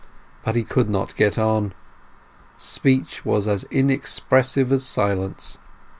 But he could not get on. Speech was as inexpressive as silence.